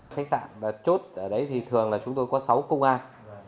khách sạn chốt ở đấy thì thường là chúng tôi có sáu công an